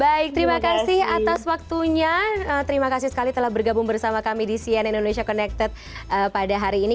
baik terima kasih atas waktunya terima kasih sekali telah bergabung bersama kami di cnn indonesia connected pada hari ini